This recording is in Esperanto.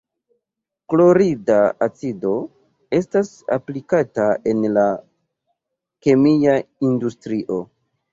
Klorida acido estas aplikata en la kemia industrio.